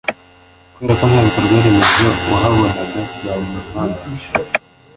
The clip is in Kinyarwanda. kubera ko nta bikorwa remezo wahabonaga byaba imihanda